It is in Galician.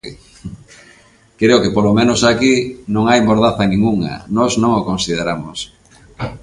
Creo que polo menos aquí non hai mordaza ningunha, nós non o consideramos.